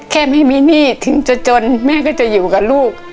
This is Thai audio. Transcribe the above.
แค่ไม่มีหนี้ถึงจะจนแม่ก็จะอยู่กับลูก